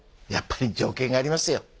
やっぱり条件がありますよ